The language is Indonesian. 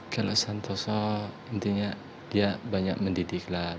kalau santoso intinya dia banyak mendidik lah